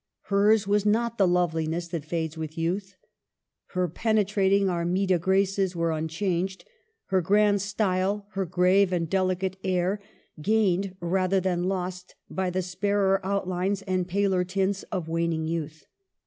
Hers was not the loveliness that fades with youth. Her penetrating Armida graces were unchanged, her grand style, her grave and delicate air, gained rather than lost by the sparer outlines and paler tints of waning youth.